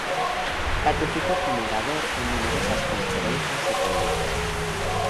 Participó como orador en numerosas conferencias y ponencias.